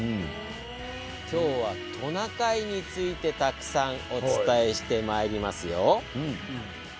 今日はトナカイについてたくさんお伝えしてまいりますよ。